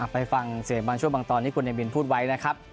ไปฟังเสียงบางช่วงบางตอนที่คุณเนวินพูดไว้นะครับ